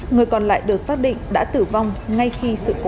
người còn lại được xác định đã tử vong ngay khi sự cố xảy ra